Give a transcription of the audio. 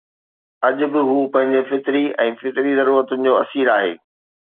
اڄ به هو پنهنجي فطري ۽ فطري ضرورتن جو اسير آهي.